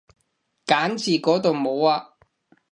揀字嗰度冇啊